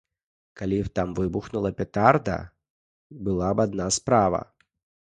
Калі б там выбухнула петарда, была б адна справа.